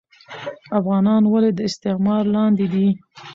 افغانان ولي د استعمار لاندي دي